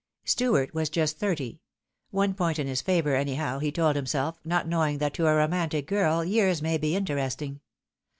Stuart was just thirty. One point in his favour, anyhow, he told himself, not knowing that to a romantic girl years may be interesting.